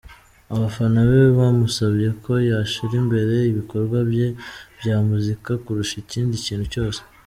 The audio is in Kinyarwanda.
Abafana be bamusabye ko yashyira imbere ibikorwa bye bya muzika kurusha ikindi kintu cyose.